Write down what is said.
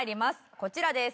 こちらです。